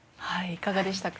いかがでしたか？